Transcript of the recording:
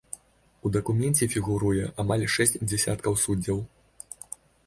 У дакуменце фігуруе амаль шэсць дзясяткаў суддзяў.